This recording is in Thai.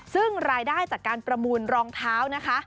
ซึ่งรายได้จากการประมูลรองเท้านะคะ